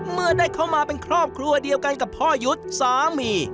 เมื่อได้เข้ามาเป็นครอบครัวเดียวกันกับพ่อยุทธ์สามี